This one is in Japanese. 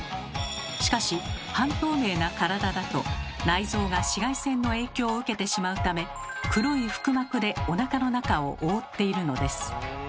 しかし半透明な体だと内臓が紫外線の影響を受けてしまうため黒い腹膜でおなかの中を覆っているのです。